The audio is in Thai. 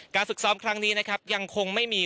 ฝึกซ้อมครั้งนี้นะครับยังคงไม่มี